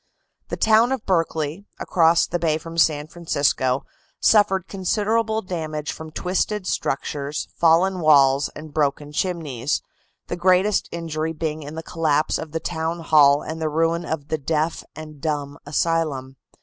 The town of Berkeley, across the bay from San Francisco, suffered considerable damage from twisted structures, fallen walls and broken chimneys, the greatest injury being in the collapse of the town hall and the ruin of the deaf and dumb asylum.